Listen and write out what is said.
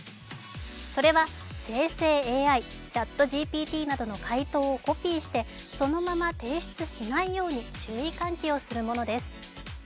それは生成ＡＩ、ＣｈａｔＧＰＴなどの回答をコピーしてそのまま提出しないように注意喚起をするものです。